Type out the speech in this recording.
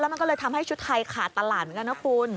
มันก็เลยทำให้ชุดไทยขาดตลาดเหมือนกันนะคุณ